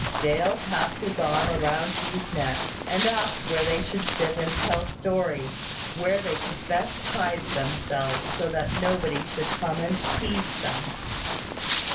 Dale passed his arm round Hugh's neck, and asked where they should sit and tell stories, where they could best hide themselves, so that nobody should come and tease them.